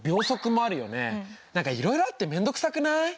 何かいろいろあってめんどくさくない？